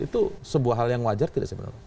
itu sebuah hal yang wajar tidak sebenarnya